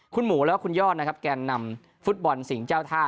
คุณหมูและคุณยอร์ดแกนนำฟุตบอลสิ่งเจ้าท่า